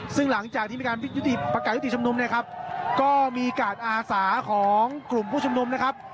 ซึ่งหลังจากที่มีการประกาศยุติชุมนุมเนี่ยครับก็มีการอาสาของกลุ่มผู้ชุมนุมนะครับ